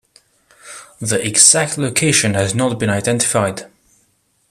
The exact location has not been identified.